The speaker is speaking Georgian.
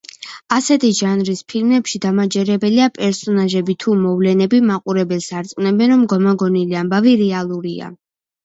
ასეთი ჟანრის ფილმებში დამაჯერებელი პერსონაჟები თუ მოვლენები მაყურებელს არწმუნებენ, რომ გამოგონილი ამბავი რეალურია.